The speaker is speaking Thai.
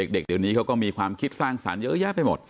เด็กเดี๋ยวนี้เขาก็มีความคิดสร้างสรรค์เยอะแยะไปหมด